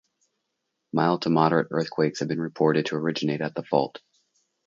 Mild to moderate earthquakes have been reported to originate at the fault.